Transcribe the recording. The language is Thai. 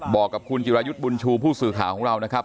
บอกกับคุณจิรายุทธ์บุญชูผู้สื่อข่าวของเรานะครับ